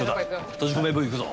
閉じ込めＶいくぞ。